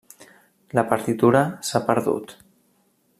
La partitura s'ha perdut.